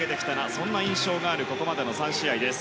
そんな印象があるここまでの３試合です。